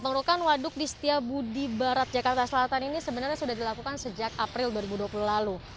pengerukan waduk di setiabudi barat jakarta selatan ini sebenarnya sudah dilakukan sejak april dua ribu dua puluh lalu